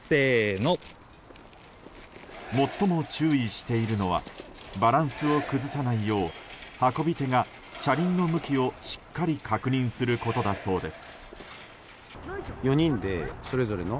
最も注意しているのはバランスを崩さないよう運び手が車輪の向きをしっかり確認することだそうです。